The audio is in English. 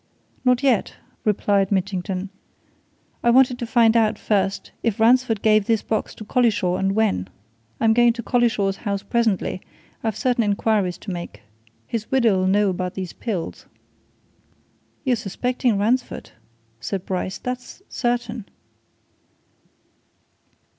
"Not yet," replied Mitchington. "I wanted to find out, first, if Ransford gave this box to Collishaw, and when. I'm going to Collishaw's house presently I've certain inquiries to make. His widow'll know about these pills." "You're suspecting Ransford," said Bryce. "That's certain!"